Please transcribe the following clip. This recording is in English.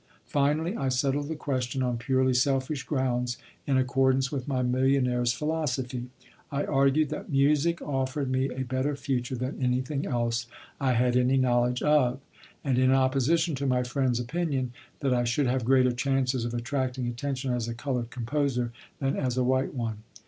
Finally, I settled the question on purely selfish grounds, in accordance with my millionaire's philosophy. I argued that music offered me a better future than anything else I had any knowledge of, and, in opposition to my friend's opinion, that I should have greater chances of attracting attention as a colored composer than as a white one.